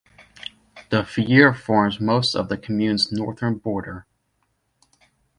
The Fier forms most of the commune's northern border.